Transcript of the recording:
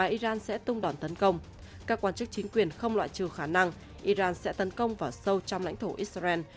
các iran sẽ tung đòn tấn công các quan chức chính quyền không loại trừ khả năng iran sẽ tấn công vào sâu trong lãnh thổ israel